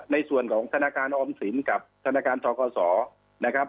ในส่วนของธนาคารออมสินกับธนาคารทกศนะครับ